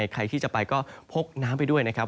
ใครที่จะไปก็พกน้ำไปด้วยนะครับ